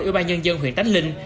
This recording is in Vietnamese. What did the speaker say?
ủy ban nhân dân huyện tánh linh